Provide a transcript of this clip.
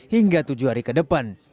hingga tujuh hari ke depan